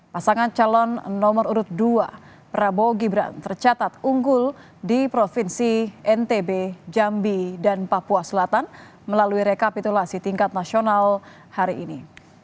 pasangan calon nomor urut dua prabowo gibran tercatat unggul di provinsi ntb jambi dan papua selatan melalui rekapitulasi tingkat nasional hari ini